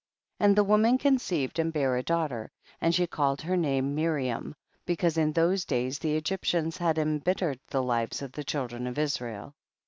3. And the woman conceived and bare a daughter, and she called her name Miriam, because in those days the Egyptians had embittered the lives of the children of Israel.